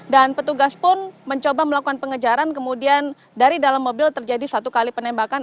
dan petugas pun mencoba melakukan pengejaran kemudian dari dalam mobil terjadi satu kali penembakan